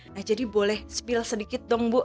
nah jadi boleh spill sedikit dong bu